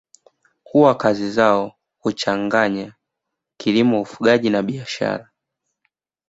Huwa kazi zao huchachanganya kilimo ufugaji na biashara